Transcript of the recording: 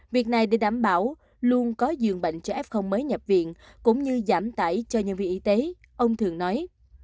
việc này để đảm bảo luôn có giường bệnh cho f mới nhập viện cũng như giảm tải cho nhân viên y tế ông thường nói